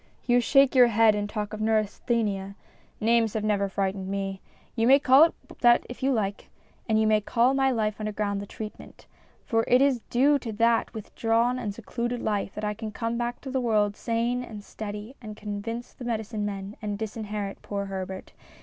You shake your head and talk of neurasthenia ; names have never frightened me. You may call it that if you like, and you may call my life under ground the treatment. For it is due to that with drawn and secluded life that I can come back to. the world sane and steady and convince the medicine men and disinherit poor Herbert.